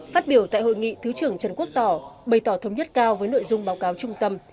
phát biểu tại hội nghị thứ trưởng trần quốc tỏ bày tỏ thống nhất cao với nội dung báo cáo trung tâm